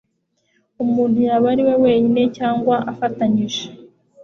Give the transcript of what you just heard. Umuntu yaba ari we wenyine cyangwa afatanyije